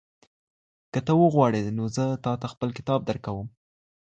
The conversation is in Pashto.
که ته وغواړې نو زه تاته خپل کتاب درکوم.